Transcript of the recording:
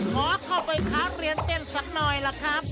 ขอเข้าไปค้าเรียนเต้นสักหน่อยล่ะครับ